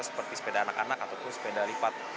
seperti sepeda anak anak ataupun sepeda lipat